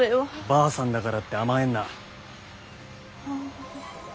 ばあさんだからって甘えんな。